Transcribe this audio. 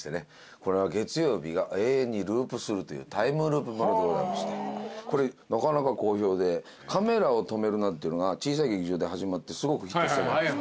これは月曜日が永遠にループするというタイムループものでございましてこれなかなか好評で『カメラを止めるな！』っていうのが小さい劇場で始まってすごくヒットしたじゃないですか。